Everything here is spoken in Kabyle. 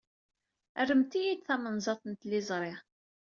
Rremt-iyi-d tamenzaḍt n tliẓri.